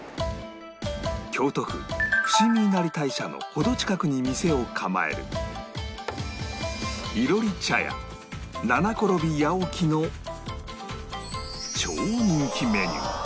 京都府伏見稲荷大社の程近くに店を構える囲炉裏茶屋ななころびやおきの超人気メニュー